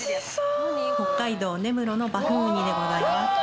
北海道・根室のバフンウニでございます。